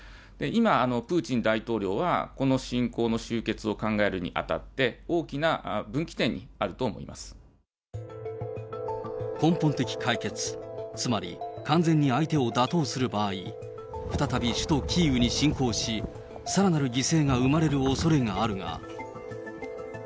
今、プーチン大統領は、この侵攻の終結を考えるにあたって、大きな分岐点にあると思いま根本的解決、つまり完全に相手を打倒する場合、再び首都キーウに侵攻し、さらなる犠牲が生まれるおそれがあるが。